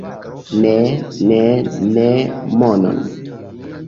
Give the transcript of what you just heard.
Ne, ne, ne monon!